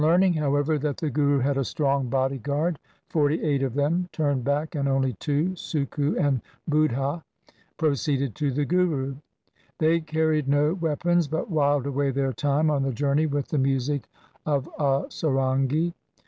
On learning, however, that the Guru had a strong body guard, forty eight of them turned back and only two, Sukkhu and Buddha, proceeded to the Guru. They carried no weapons, but whiled away their time on the journey with the music of a sarangi.